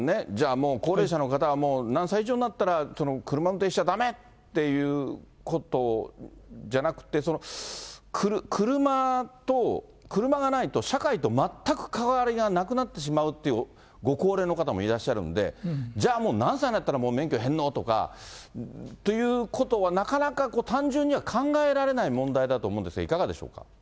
もう、高齢者の方は何歳以上になったら、車運転しちゃだめ！っていうことじゃなくて、車と、車がないと社会と全く関わりがなくなってしまうというご高齢の方もいらっしゃるんで、じゃあもう、何歳になったらもう免許返納ということはなかなか、単純には考えられない問題だと思うんですが、いかがでしょうか。